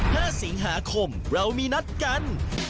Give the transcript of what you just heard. พรุ่งนี้๕สิงหาคมจะเป็นของใคร